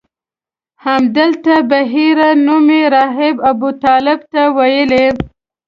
همدلته بحیره نومي راهب ابوطالب ته ویلي.